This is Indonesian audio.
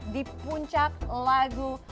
di puncak lagu